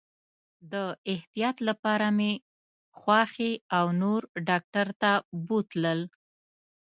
د احتیاط لپاره مې خواښي او نور ډاکټر ته بوتلل.